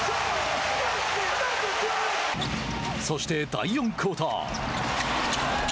そして、第４クオーター。